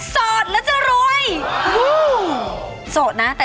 สดสิสดสิ